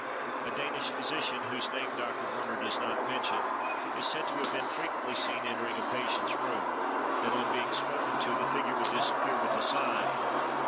A Danish physician, whose name Dr. Werner does not mention, is said to have been frequently seen entering a patient's room, and on being spoken to, the figure would disappear, with a sigh.